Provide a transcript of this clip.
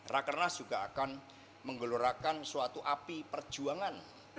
rakernas juga akan menggelorakan suatu api perjuangan